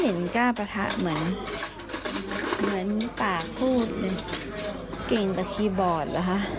เหมือนกล้าปะทะเหมือนปากหูดกินตะคีย์บอร์ดหรือคะ